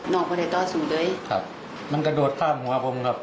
ออกมาได้ต่อสู้เลยครับมันกระโดดข้ามหัวผมครับ